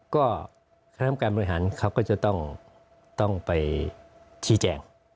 ก็คณะกรรมการบริหารเขาก็จะต้องไปชี้แจง